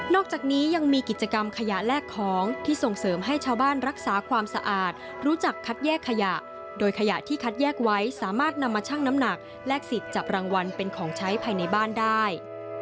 อกจากนี้ยังมีกิจกรรมขยะแลกของที่ส่งเสริมให้ชาวบ้านรักษาความสะอาดรู้จักคัดแยกขยะโดยขยะที่คัดแยกไว้สามารถนำมาชั่งน้ำหนักแลกสิทธิ์จับรางวัลเป็นของใช้ภายในบ้านได้